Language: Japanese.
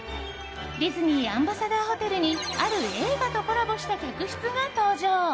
ディズニーアンバサダーホテルにある映画とコラボした客室が登場。